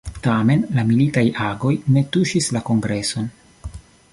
Tamen la militaj agoj ne tuŝis la kongreson.